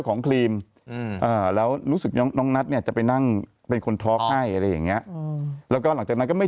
หมดน่ะแล้วนัทจะไปนั่งเป็นคนทอล์คให้